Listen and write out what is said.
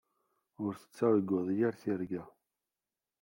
Ur tettarguḍ yir tirga.